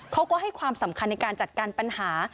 เขาก็ให้ความสำคัญในการจัดการปัญหา